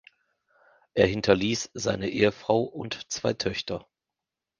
Er hinterließ seine Ehefrau und zwei Töchter.